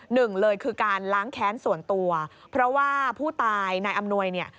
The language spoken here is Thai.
หนึ่งเลยคือการล้างแค้นส่วนตัวเพราะว่าผู้ตายนายอำนวยเนี่ย